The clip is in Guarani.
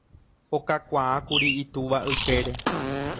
okakuaákuri itúva ykére